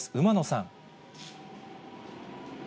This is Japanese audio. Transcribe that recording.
馬野さん。